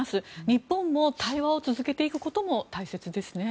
日本も対話を続けていくことも大切ですね。